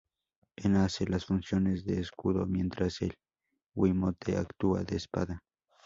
En hace las funciones de escudo, mientras el Wiimote actúa de espada.